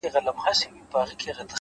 دا چي انجوني ټولي ژاړي سترگي سرې دي-